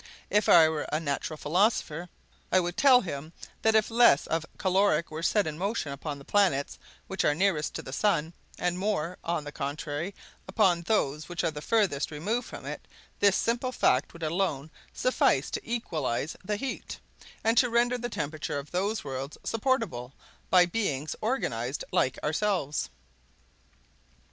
If I were a natural philosopher, I would tell him that if less of caloric were set in motion upon the planets which are nearest to the sun, and more, on the contrary, upon those which are farthest removed from it, this simple fact would alone suffice to equalize the heat, and to render the temperature of those worlds supportable by beings organized like ourselves.